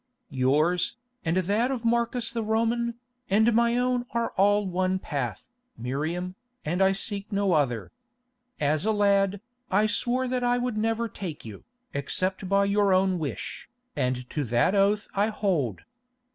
"Yours, and that of Marcus the Roman, and my own are all one path, Miriam, and I seek no other. As a lad, I swore that I would never take you, except by your own wish, and to that oath I hold.